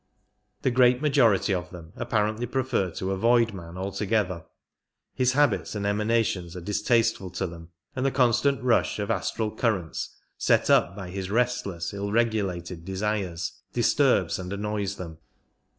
The great majority of them apparently prefer to avoid man altogether ; his habits and emanations are distasteful to them, and the constant rush of astral currents set up by his restless, ill regulated desires disturbs and annoys them.